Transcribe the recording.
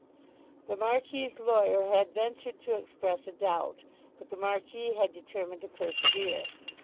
The Marquis's lawyer had ventured to express a doubt; but the Marquis had determined to persevere.